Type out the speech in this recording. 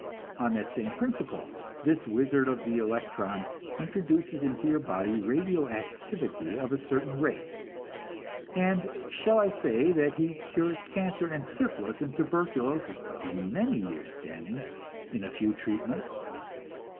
On that same principle this wizard of the electron introduces into your body radio activity of a certain rate and shall I say that he cures cancer and syphilis and tuberculosis of many years standing in a few treatments?